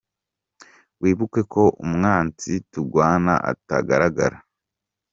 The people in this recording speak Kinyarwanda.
" Wibuke ko umwansi tugwana atagaragara.